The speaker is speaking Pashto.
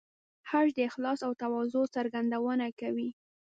حج د اخلاص او تواضع څرګندونه کوي.